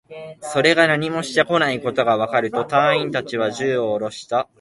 それが何もしてこないことがわかると、隊員達は銃をおろした